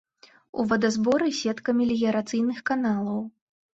У вадазборы сетка меліярацыйных каналаў.